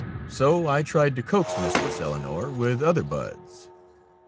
So I tried to coax Mistress Eleonore with other buds.